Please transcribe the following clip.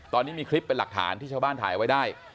ตอนนี้มีคลิปเป็นหลักฐานที่ชาวบ้านถ่ายไว้ได้